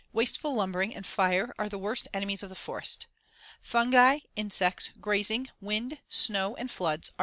Wasteful lumbering and fire are the worst enemies of the forest. Fungi, insects, grazing, wind, snow and floods are the other enemies.